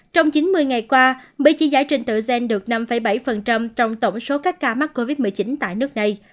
trong chín mươi ngày qua mỹ chi giải trình tờ gen được năm bảy trong tổng số các ca mắc covid một mươi chín tại nước này